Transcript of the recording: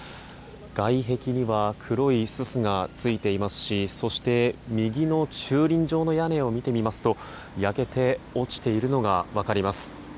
外壁には黒いすすがついていますしそして右の駐輪場の屋根を見てみますと焼けて落ちているのが分かります。